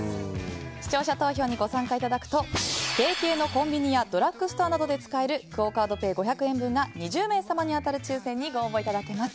視聴者投票にご参加いただくと提携のコンビニやドラッグストアなどで使えるクオ・カードペイ５００円分が２０名様に当たる抽選にご応募いただけます。